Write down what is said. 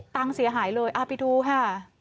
ตังค์เสียหายเลยไปดูค่ะ